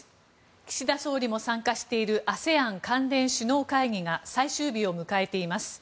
岸田総理も参加しているＡＳＥＡＮ関連首脳会議が最終日を迎えています。